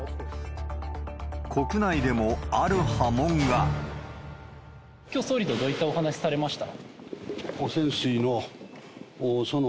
国内でも、きょう、総理とはどういったお話しされました？